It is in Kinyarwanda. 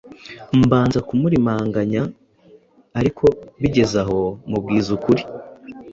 mbanza kumurimanganya ariko bigeze aho mubwiza ukuri.